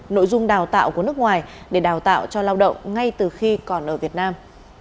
nội dung đào tạo của nước ngoài để đào tạo cho lao động ngay từ khi còn ở việt nam